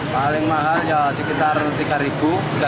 paling mahal ya sekitar rp tiga